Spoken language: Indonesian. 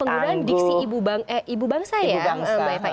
penggunaan diksi ibu bangsa ya mbak eva ya